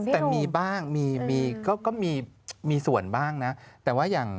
แต่มีบ้างมีก็มีส่วนบ้างนะแต่ว่าอย่าง